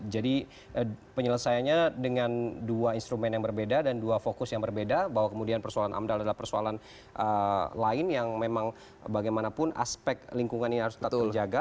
jadi penyelesaiannya dengan dua instrumen yang berbeda dan dua fokus yang berbeda bahwa kemudian persoalan amdal adalah persoalan lain yang memang bagaimanapun aspek lingkungannya harus tetap terjaga